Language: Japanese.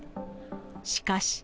しかし。